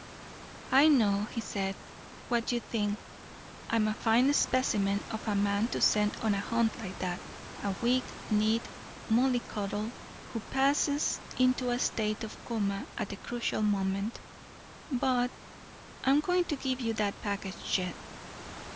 "I know," he said, "what you think. I'm a fine specimen of a man to send on a hunt like that. A weak kneed mollycoddle who passes into a state of coma at the crucial moment. But I'm going to give you that package yet."